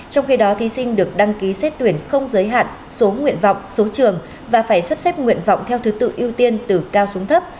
trong khi đó thí sinh được đăng ký xét tuyển không giới hạn số nguyện vọng số trường và phải sắp xếp nguyện vọng theo thứ tự ưu tiên từ cao xuống thấp